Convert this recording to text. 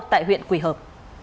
tại huyện quỳ hợp